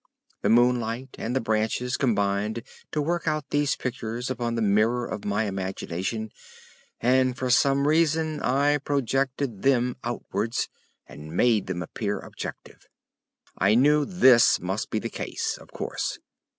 The moonlight and the branches combined to work out these pictures upon the mirror of my imagination, and for some reason I projected them outwards and made them appear objective. I knew this must be the case, of course.